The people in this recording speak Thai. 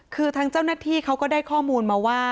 คือทางเจ้าหน้าที่เขาก็ได้ข้อมูลมาว่า